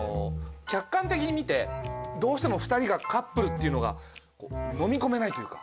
客観的に見てどうしても２人がカップルっていうのがのみ込めないというか。